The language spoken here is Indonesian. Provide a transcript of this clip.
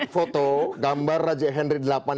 foto gambar raja henry delapan